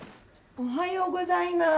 おはようございます。